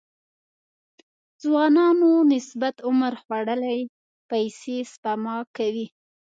ځوانانو نسبت عمر خوړلي پيسې سپما کوي.